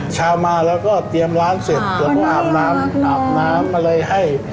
เช้ามาก็เราก็เตรียมร้านเสร็จแล้วก็อาบน้ำอะไรให้